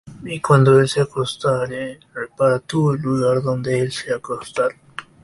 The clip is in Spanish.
Y cuando él se acostare, repara tú el lugar donde él se acostar.